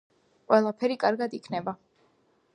ყველაფერი კარგად იქნება!